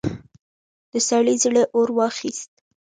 د سړي زړه اور واخيست.